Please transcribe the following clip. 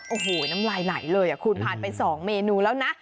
โอ้โหน้ำลายไหลเลยคุณผ่านไป๒เมนูแล้วนะ